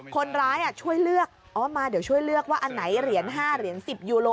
คนร้ายช่วยเลือกอ๋อมาเดี๋ยวช่วยเลือกว่าอันไหนเหรียญ๕เหรียญ๑๐ยูโล